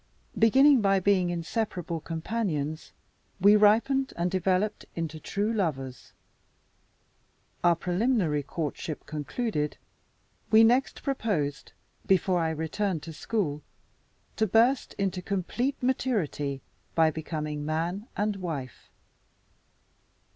Beginning by being inseparable companions, we ripened and developed into true lovers. Our preliminary courtship concluded, we next proposed (before I returned to school) to burst into complete maturity by becoming man and wife.